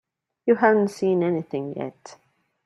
You haven't seen anything yet.